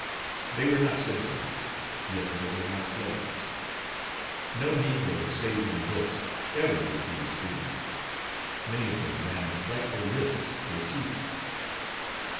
They were not citizens, yet they were not slaves. No negro, save in books, ever refused freedom; many of them ran frightful risks to achieve it.